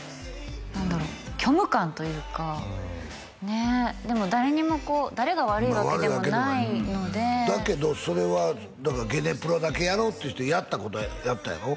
何だろう虚無感というかねえでも誰にもこう誰が悪いわけでもないのでだけどそれはゲネプロだけやろうっていってやったことはやったんやろ？